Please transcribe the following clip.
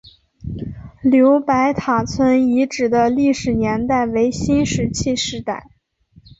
刘白塔村遗址的历史年代为新石器时代。